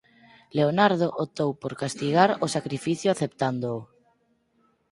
Leonardo optou por castigar o sacrificio aceptándoo.